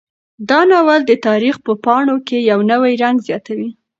دا ناول د تاریخ په پاڼو کې یو نوی رنګ زیاتوي.